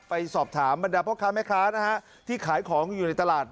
ไปสอบถามบรรดาพ่อค้าแม่ค้านะฮะที่ขายของอยู่ในตลาด